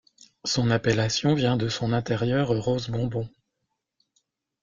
Son appellation vient de son intérieur rose bonbon.